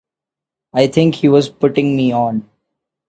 I think he was putting me on.